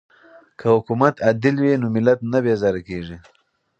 که حکومت عادل وي نو ملت نه بیزاره کیږي.